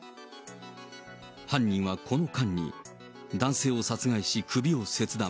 犯人はこの間に男性を殺害し、首を切断。